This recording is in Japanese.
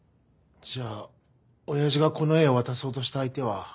じゃあ親父がこの絵を渡そうとした相手は。